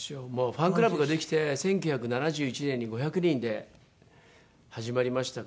ファンクラブができて１９７１年に５００人で始まりましたから。